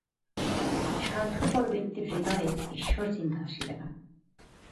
স্বার্থপর ব্যক্তির হৃদয়ে ঈশ্বরচিন্তা আসিবে না।